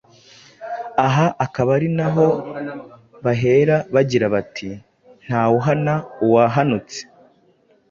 Aha akaba ari na ho bahera bagira bati: “Ntawuhana uwahanutse”.